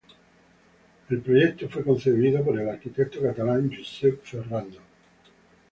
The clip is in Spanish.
El proyecto fue concebido por el arquitecto catalán Josep Ferrando.